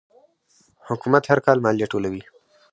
حکومت هر کال مالیه ټولوي.